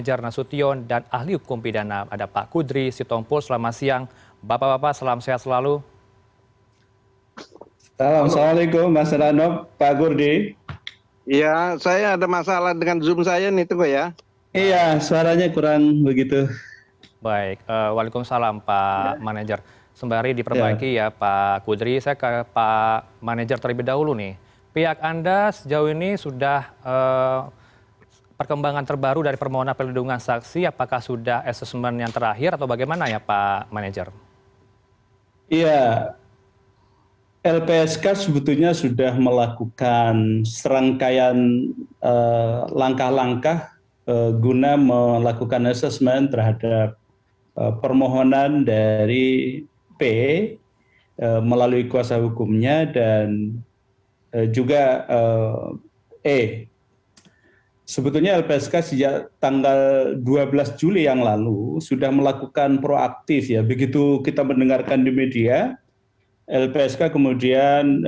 guna membuat terang peristiwa dalam peradilan pidana